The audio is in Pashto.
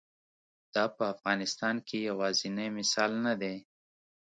دا په افغانستان کې یوازینی مثال نه دی.